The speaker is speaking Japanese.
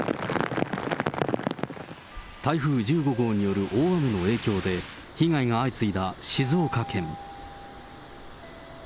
台風１５号による大雨の影響で、被害が相次いだ静岡県。